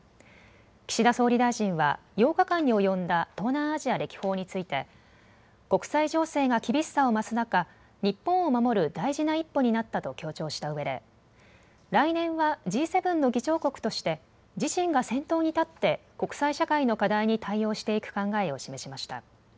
岸田総理大臣は、８日間に及んだ東南アジア歴訪について、国際情勢が厳しさを増す中、日本を守る大事な一歩になったと強調したうえで、来年はＧ７の議長国として、自身が先頭に立って国際社会の課題に対応していく考えを示しました。